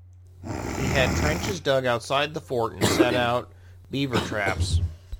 He had trenches dug outside the fort, and set out beaver traps.